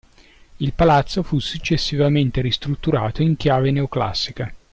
Il palazzo fu successivamente ristrutturato in chiave neoclassica.